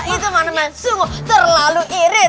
itu mana mana sungguh terlalu irit